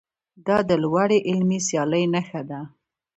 دا د لوړې علمي سیالۍ نښه ده.